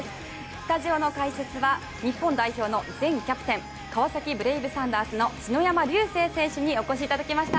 スタジオの解説は日本代表の前キャプテン川崎ブレイブサンダースの篠山竜青選手にお越しいただきました。